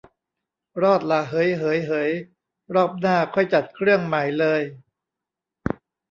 รอดละ เหย เหย เหย รอบหน้าค่อยจัดเครื่องใหม่เลย